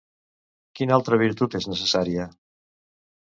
Quina altra virtut és necessària?